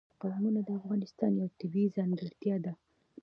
قومونه د افغانستان یوه طبیعي ځانګړتیا ده.